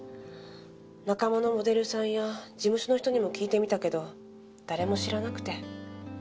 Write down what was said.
仲間のモデルさんや事務所の人にも聞いてみたけど誰も知らなくて。